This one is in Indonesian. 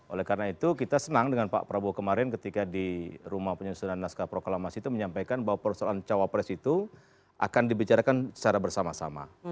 oleh karena itu kita senang dengan pak prabowo kemarin ketika di rumah penyusunan naskah proklamasi itu menyampaikan bahwa persoalan cawapres itu akan dibicarakan secara bersama sama